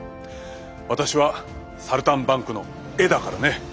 私はサルタンバンクの絵だからね。